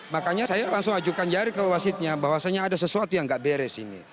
makanya saya langsung ajukan jari ke wasitnya bahwasannya ada sesuatu yang nggak beres ini